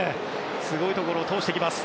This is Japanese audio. すごいところを通してきます。